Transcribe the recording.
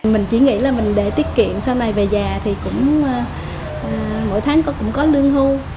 mình chỉ nghĩ là mình để tiết kiệm sau này về già thì cũng mỗi tháng có cũng có lương hưu